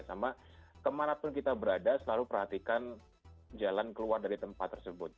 sama kemana pun kita berada selalu perhatikan jalan keluar dari tempat tersebut